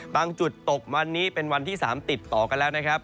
จุดตกวันนี้เป็นวันที่๓ติดต่อกันแล้วนะครับ